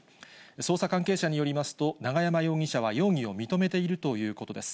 捜査関係者によりますと、永山容疑者は容疑を認めているということです。